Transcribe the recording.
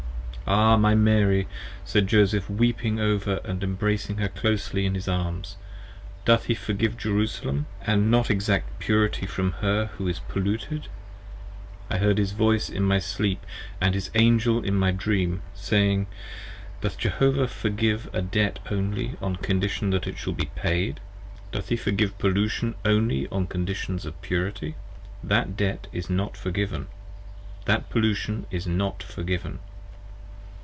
Ah my Mary! said Joseph, weeping over & embracing her closely in 15 His arms: Doth he forgive Jerusalem & not exact Purity from her who is Polluted. I heard his voice in my sleep & his Angel in my dream: Saying, Doth Jehovah Forgive a Debt only on condition that it shall Be Payed ? Doth he Forgive Pollution only on conditions of Purity ? That Debt is not Forgiven! That Pollution is not Forgiven!